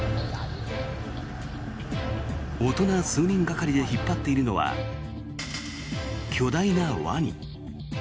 大人数人がかりで引っ張っているのは巨大なワニ。